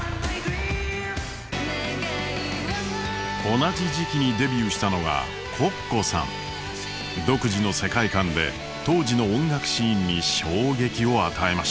同じ時期にデビューしたのが独自の世界観で当時の音楽シーンに衝撃を与えました。